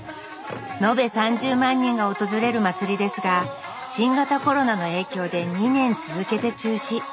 延べ３０万人が訪れる祭りですが新型コロナの影響で２年続けて中止。